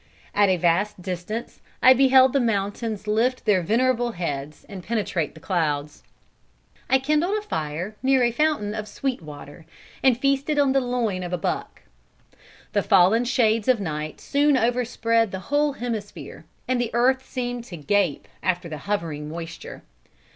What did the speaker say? At a vast distance I beheld the mountains lift their venerable heads and penetrate the clouds. "I kindled a fire near a fountain of sweet water, and feasted on the loin of a buck. The fallen shades of night soon overspread the whole hemisphere, and the earth seemed to gape after the hovering moisture.